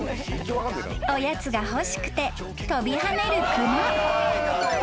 ［おやつが欲しくて跳びはねる熊］